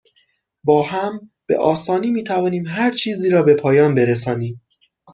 با هم، به آسانی می توانیم هرچیزی را به پایان برسانیم.